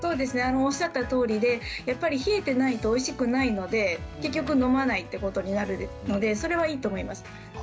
おっしゃったとおりで冷えていないとおいしくないので結局、飲まないということになるので、それはいいと思います。